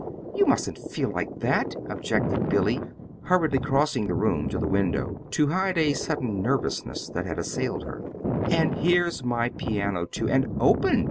You mustn't feel like that!" objected Billy, hurriedly crossing the room to the window to hide a sudden nervousness that had assailed her. "And here's my piano, too, and open!"